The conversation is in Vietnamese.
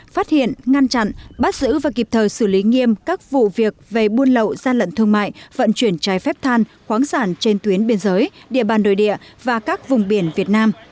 phát hiện ngăn chặn bắt giữ và kịp thời xử lý nghiêm các vụ việc về buôn lậu gian lận thương mại vận chuyển trái phép than khoáng sản trên tuyến biên giới địa bàn đồi địa và các vùng biển việt nam